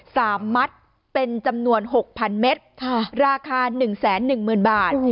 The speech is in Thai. สามมัตต์เป็นจำนวน๖๐๐๐เมตรราคา๑๑๐๐๐๐บาท